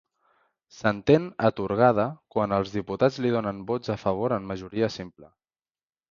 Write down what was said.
S'entén atorgada quan els diputats li donen vots a favor en majoria simple.